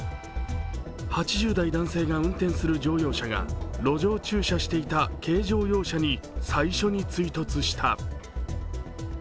８０代男性が運転する乗用車が路上駐車していた軽乗用車に最初に追突した。